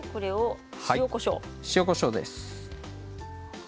塩、こしょうです。